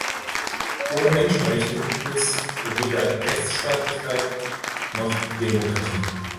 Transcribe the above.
Ohne Menschenrechte gibt es weder Rechtsstaatlichkeit noch Demokratie.